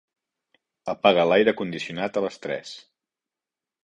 Apaga l'aire condicionat a les tres.